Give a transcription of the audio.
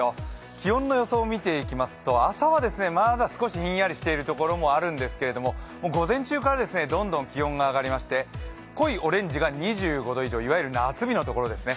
気温の予想を見ていきますと、朝はまだ少しひんやりしているところあるんですけど、午前中からどんどん気温が上がりまして濃いオレンジが２５度以上、いわゆる夏日のところですね。